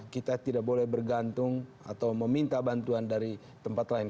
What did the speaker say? kita tidak boleh bergantung atau meminta bantuan dari tempat lain